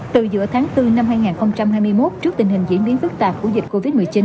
từ giữa tháng bốn năm hai nghìn hai mươi một trước tình hình diễn biến phức tạp của dịch covid một mươi chín